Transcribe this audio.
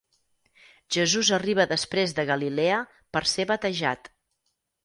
Jesús arriba després de Galilea per ser batejat.